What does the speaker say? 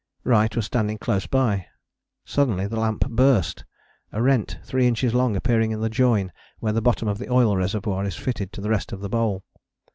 Wright was standing close by. Suddenly the lamp burst, a rent three inches long appearing in the join where the bottom of the oil reservoir is fitted to the rest of the bowl.